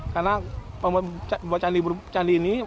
karena buat candi borobudur ini